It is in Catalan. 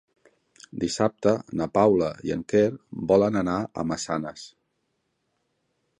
Dissabte na Paula i en Quer volen anar a Massanes.